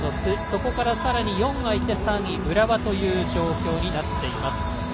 そこから、さらに４開いて３位・浦和という状況になっています。